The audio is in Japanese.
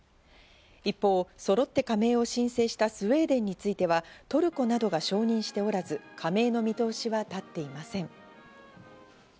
一方、そろって加盟を申請したスウェーデンについては、トルコなどが承認しておらず、加盟の見通しは立っていません。